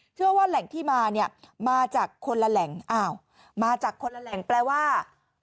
เชื่อว่าแหล่งที่มาเนี่ยมาจากคนละแหล่งอ้าวมาจากคนละแหล่งแปลว่า